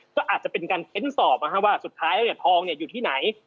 ก็อาจจะเป็นการเพ้นสอบนะฮะว่าสุดท้ายเนี่ยทองเนี่ยอยู่ที่ไหน